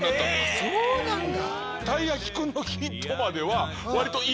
あそうなんだ。